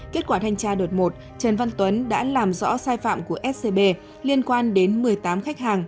kết quả thanh tra đợt một trần văn tuấn đã làm rõ sai phạm của scb liên quan đến một mươi tám khách hàng